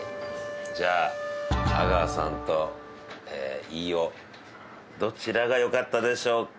じゃあ阿川さんと飯尾どちらがよかったでしょうか？